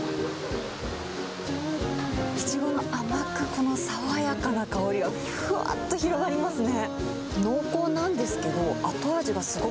イチゴの甘く、この爽やかな香りが、ふわっと広がりますね。